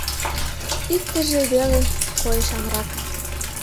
Иктыже веле койышанрак.